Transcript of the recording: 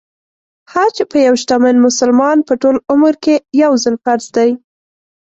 حج په یو شتمن مسلمان په ټول عمر کې يو ځل فرض دی .